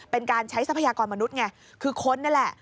เป็นการใช้ทรัพยากรมนุษย์ไงคือค้นนั่นแหละ